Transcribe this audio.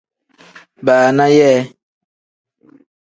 Baana yee.